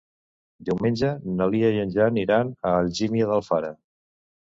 Diumenge na Lia i en Jan iran a Algímia d'Alfara.